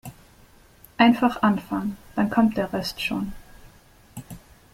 Einfach anfangen, dann kommt der Rest schon.